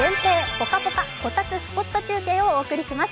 ポカポカこたつスポット中継をお届けします。